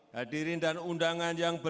bapak lukas nmb